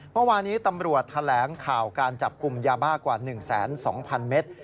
เมื่อวานี้ตำรวจแถลงข่าวการจับกลุ่มยาบ้ากว่า๑๒๐๐๐เมตร